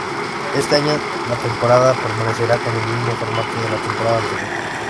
Este año la temporada permanecerá con el mismo formato que la temporada anterior.